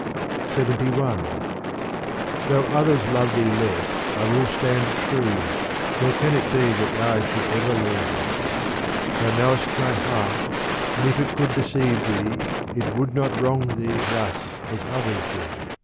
LXXI Though others love Thee less I will stand true, Nor can it be that I should ever leave Thee : Thou knowest my heart and if it could deceive Thee It would not wrong Thee thus as others do.